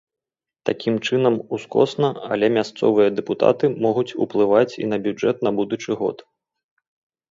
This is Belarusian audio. Такім чынам ускосна, але мясцовыя дэпутаты могуць уплываць і на бюджэт на будучы год.